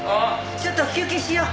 ちょっと休憩しよう。